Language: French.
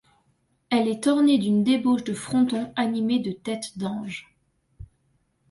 Elle est ornée d'une débauche de frontons animés de têtes d'anges.